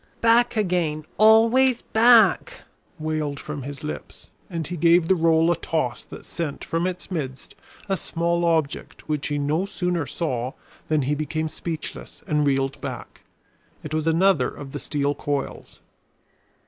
"Back again! Always back!" wailed from his lips; and he gave the roll a toss that sent from its midst a small object which he no sooner saw than he became speechless and reeled back. It was another of the steel coils.